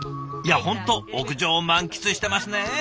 いや本当屋上を満喫してますね。